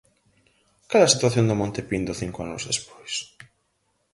Cal é a situación do Monte Pindo cinco anos despois?